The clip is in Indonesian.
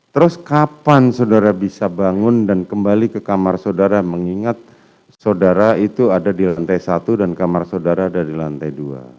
terus kapan saudara bisa bangun dan kembali ke kamar saudara mengingat saudara itu ada di lantai satu dan kamar saudara ada di lantai dua